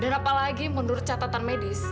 dan apalagi menurut catatan medis